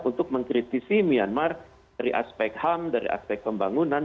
untuk mengkritisi myanmar dari aspek ham dari aspek pembangunan